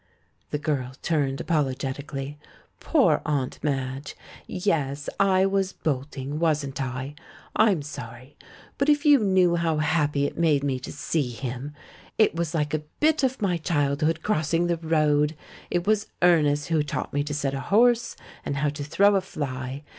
The girl turned apologetically. "Poor Aunt Madge! Yes, I was bolting, wasn't I? I'm sorry. But if you knew how happy it made me to see him — it was like a bit of my childhood crossing the road. It was Ernest who taught me to sit a horse, and how to throw a fly.